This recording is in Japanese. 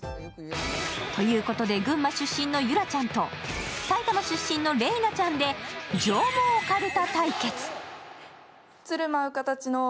ということで群馬出身のゆらちゃんと、埼玉出身の麗菜ちゃんで上毛かるた対決。